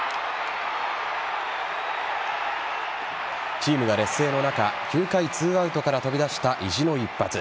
チームが劣勢の中９回２アウトから飛び出した意地の一発。